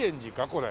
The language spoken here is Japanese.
これ。